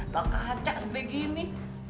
takut kaca sebegini